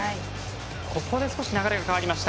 ここで少し流れが変わりました。